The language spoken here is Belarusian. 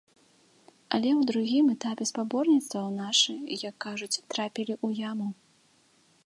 Але ў другім этапе спаборніцтваў нашы, як кажуць, трапілі ў яму.